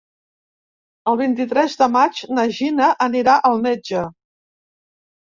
El vint-i-tres de maig na Gina anirà al metge.